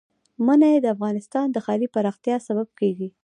منی د افغانستان د ښاري پراختیا سبب کېږي.